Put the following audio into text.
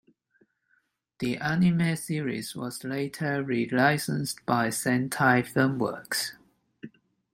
The anime series was later re-licensed by Sentai Filmworks.